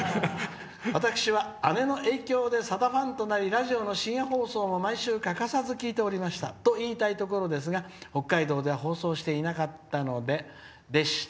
「私は、姉の影響でさださんのファンになりラジオの深夜放送も毎週欠かさず聞いておりましたと言いたいところですが北海道では放送していなかったので」でした。